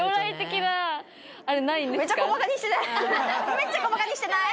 めっちゃ小バカにしてない？